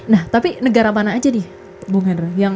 nah tapi negara mana aja di bung hedra